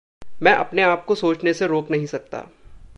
मैं अपने-आप को सोचने से रोक नहीं सकता।